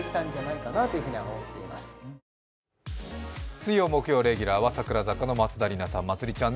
水曜木曜レギュラーは櫻坂のまつりちゃん